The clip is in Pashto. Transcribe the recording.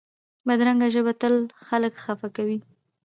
بدرنګه ژبه تل خلک خفه کوي